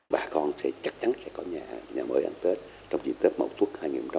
bà con chắc chắn sẽ có nhà mới hằng tết trong dịp tết mậu thuốc hai nghìn một mươi tám